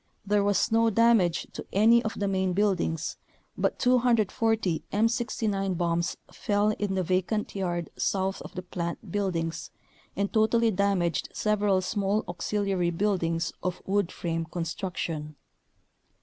There was no damage to any of the main buildings, but 240 M69 bombs fell in the vacant yard south of the plant buildings and totally damaged several small auxiliary buildings of wood frame con struction.